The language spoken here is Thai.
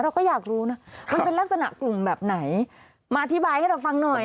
เราก็อยากรู้นะมันเป็นลักษณะกลุ่มแบบไหนมาอธิบายให้เราฟังหน่อย